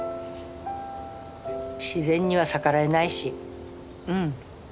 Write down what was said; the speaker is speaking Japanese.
自然には逆らえないしうん。